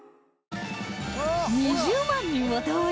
２０万人を動員！